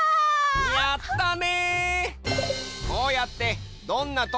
やったね！